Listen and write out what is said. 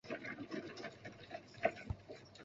圆锹小曲柄藓为曲尾藓科小曲柄藓属下的一个种。